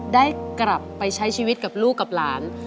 ได้กลับไปใช้ชีวิตกับลูกกับหลาน